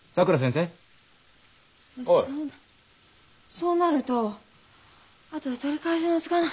そうなるとあとで取り返しのつかない。